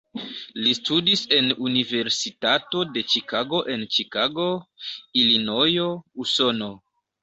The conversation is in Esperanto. Li studis en Universitato de Ĉikago en Ĉikago, Ilinojo, Usono.